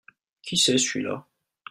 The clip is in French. Qui c'est celui-là ?